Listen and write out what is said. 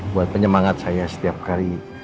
buat penyemangat saya setiap hari